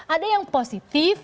ada yang positif